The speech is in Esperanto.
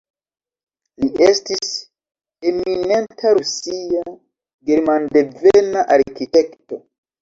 Li estis eminenta rusia, germandevena arkitekto.